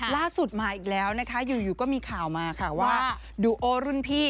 ล่าสุดมาอีกแล้วนะคะอยู่ก็มีข่าวมาค่ะว่าดูโอรุ่นพี่